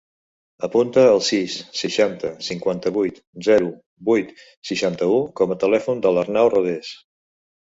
Apunta el sis, seixanta, cinquanta-vuit, zero, vuit, seixanta-u com a telèfon de l'Arnau Rodes.